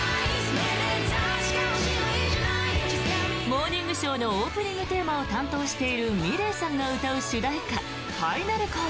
「モーニングショー」のオープニングテーマを担当しているｍｉｌｅｔさんが歌う主題歌「ＦｉｎａｌＣａｌｌ」。